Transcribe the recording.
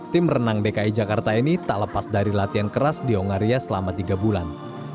tim renang dki jakarta ini tak lepas dari latihan keras di ongaria selama tiga bulan